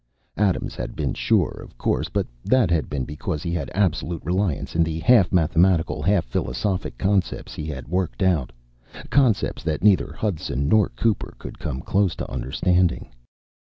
Adams had been sure, of course, but that had been because he had absolute reliance in the half mathematical, half philosophic concepts he had worked out concepts that neither Hudson nor Cooper could come close to understanding.